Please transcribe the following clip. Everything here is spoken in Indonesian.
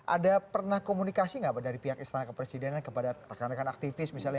ada pernah komunikasi nggak pak dari pihak istana kepresidenan kepada rekan rekan aktivis misalnya